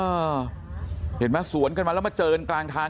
เห็นไหมสวนกันมาแล้วมาเจอกันกลางทาง